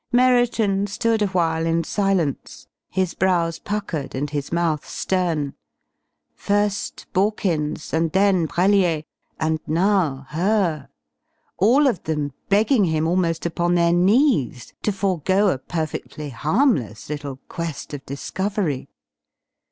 Merriton stood awhile in silence, his brows puckered and his mouth stern. First Borkins, and then Brellier, and now her! All of them begging him almost upon their knees to forego a perfectly harmless little quest of discovery.